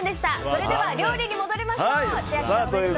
それでは料理に戻りましょう。